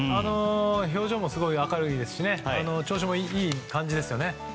表情も明るいですし調子もいい感じですよね。